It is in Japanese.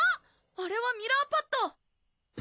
あれはミラーパッド！